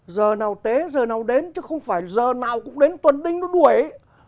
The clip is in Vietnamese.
giờ nào tế giờ nào đến chứ không phải giờ nào cũng đến tuần đinh nó đuổi ấy